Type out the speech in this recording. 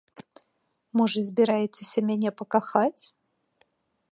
Можа, збіраецеся мяне пакахаць?